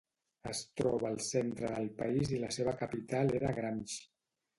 Es troba al centre del país i la seva capital era Gramsh.